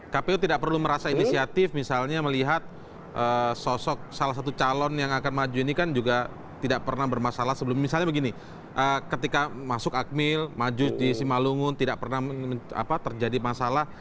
kpu tidak perlu merasa inisiatif misalnya melihat sosok salah satu calon yang akan maju ini kan juga tidak pernah bermasalah sebelum misalnya begini ketika masuk akmil maju di simalungun tidak pernah terjadi masalah